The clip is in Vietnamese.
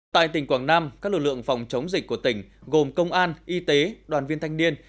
tại tỉnh quảng nam các lực lượng phòng chống dịch của tỉnh gồm công an y tế đoàn viên thanh niên